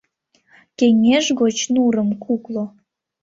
Кеҥеж гоч нурым кукло!